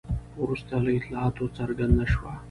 وروسته له اطلاعاتو څرګنده شوه.